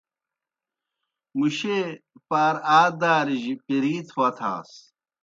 مُشیئے پار آ دارِجیْ پیرِیتھ وتھاس۔